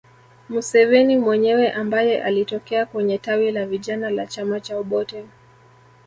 Museveni mwenyewe ambaye alitokea kwenye tawi la vijana la chama cha Obote